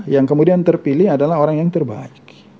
yang kemudian terpilih adalah orang yang terbaik